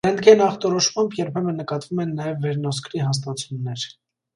Ռենտգենախտորոշմամբ երբեմն նկատվում են նաև վերնոսկրի հաստացումներ։